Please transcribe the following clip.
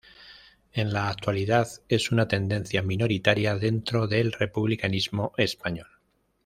En la actualidad es una tendencia minoritaria dentro del republicanismo español.